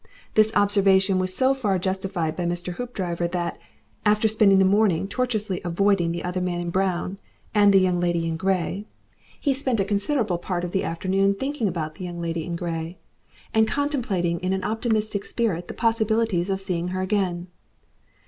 This observation was so far justified by Mr. Hoopdriver that, after spending the morning tortuously avoiding the other man in brown and the Young Lady in Grey, he spent a considerable part of the afternoon in thinking about the Young Lady in Grey, and contemplating in an optimistic spirit the possibilities of seeing her again.